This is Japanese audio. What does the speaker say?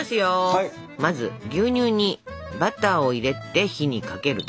まず牛乳にバターを入れて火にかけると。